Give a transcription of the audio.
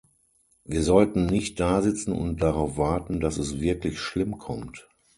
Wir sollten nicht dasitzen und darauf warten, dass es wirklich schlimm kommt.